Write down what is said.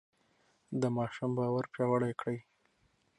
د ماشوم باور پیاوړی کړئ.